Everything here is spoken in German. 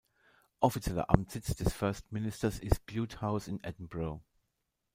Offizieller Amtssitz des First Ministers ist Bute House in Edinburgh.